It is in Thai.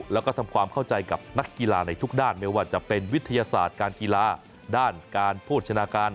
แล้วก็ทำความเข้าใจกับนักกีฬาในทุกด้านไม่ว่าจะเป็นวิทยาศาสตร์การกีฬาด้านการโภชนาการ